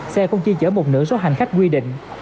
xe không chia chở một nửa số hành khách quy định